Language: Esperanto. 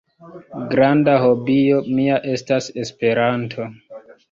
Granda hobio mia estas Esperanto.